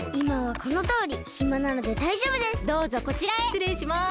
しつれいします。